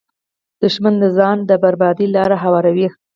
دښمن د ځان د بربادۍ لاره هواروي